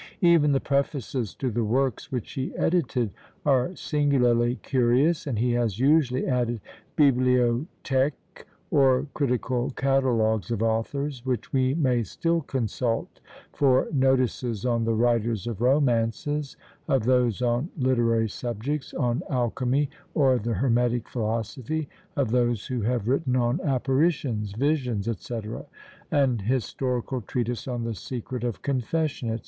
Even the prefaces to the works which he edited are singularly curious, and he has usually added bibliothèques, or critical catalogues of authors, which we may still consult for notices on the writers of romances of those on literary subjects on alchymy, or the hermetic philosophy; of those who have written on apparitions, visions, &c. an historical treatise on the secret of confession, &c.